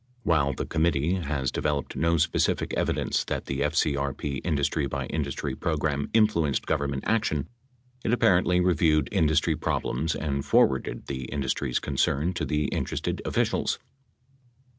While the commit tee has developed no specific evidence that the FCRP industry by industry program influenced Government action, it apparently re viewed industry problems and forwarded the industry's concern to the interested officials.